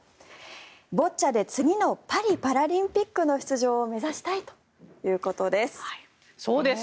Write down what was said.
ボッチャで次のパリパラリンピックの出場を目指したいということです。